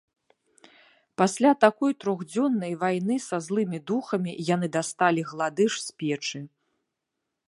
Пасля такой трохдзённай вайны са злымі духамі яны дасталі гладыш з печы.